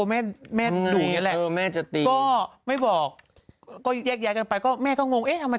เพื่อนก็ตกใจข้างหลังเท้าอีก